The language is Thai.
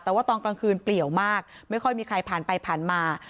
แต่ว่าตอนกลางคืนเปลี่ยวมากไม่ค่อยมีใครผ่านไปผ่านมา